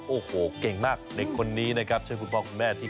โอ้โหเก่งมากเด็กคนนี้นะครับใช่ไหมแม่ที่